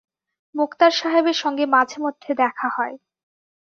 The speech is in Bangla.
মোক্তার সাহেবের সঙ্গে মাঝেমধ্যে দেখা হয়।